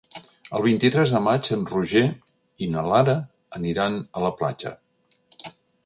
El vint-i-tres de maig en Roger i na Lara aniran a la platja.